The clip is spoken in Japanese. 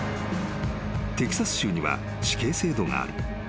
［テキサス州には死刑制度がある］